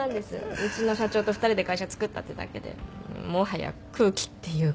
うちの社長と２人で会社つくったってだけでもはや空気っていうか。